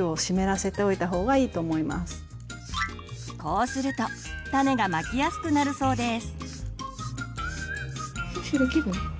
こうすると種がまきやすくなるそうです。